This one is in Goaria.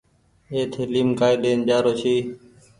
اي ٿليم ڪآئي لين آرو ڇي۔